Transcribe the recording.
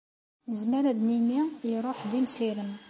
Nezmer ad d-nini iṛuḥ d imsirem.